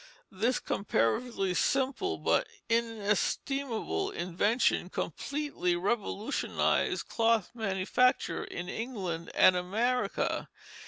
This comparatively simple but inestimable invention completely revolutionized cloth manufacture in England and America.